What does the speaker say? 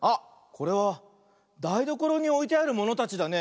これはだいどころにおいてあるものたちだね。